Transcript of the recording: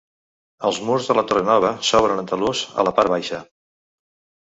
Els murs de la torre Nova s'obren en talús a la part baixa.